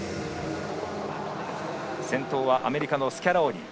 先頭はアメリカのスキャローニ。